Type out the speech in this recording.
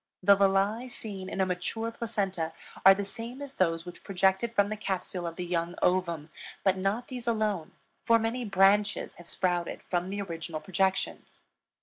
The villi seen in a mature placenta are the same as those which projected from the capsule of the young ovum, but not these alone, for many branches have sprouted from the original projections.